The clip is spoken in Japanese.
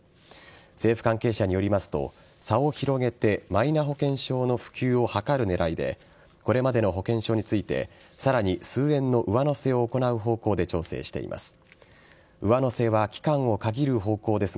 政府関係者によりますと差を広げてマイナ保険証の普及を図る狙いでこれまでの保険証についてさらに数円の上乗せを行う方向で調整しています。